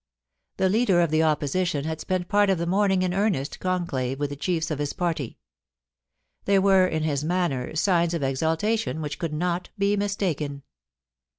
The Leader of the Opposition had spent part of the morning in earnest conclave with the chiefs of his party. There were in his manner signs of exultation which could not be mistaken.